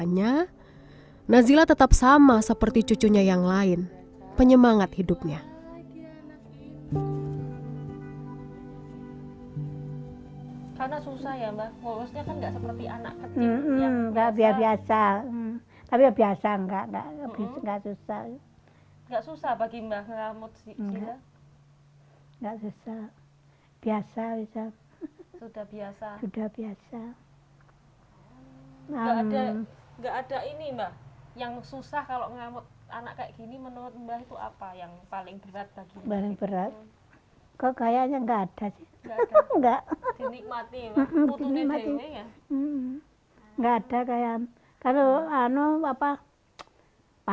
nazila selalu mengalami penyakit tersebut